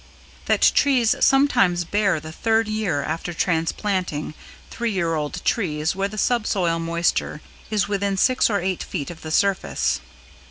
That trees sometimes bear the third year after transplanting three year old trees where the sub soil moisture is within six or eight feet of the surface.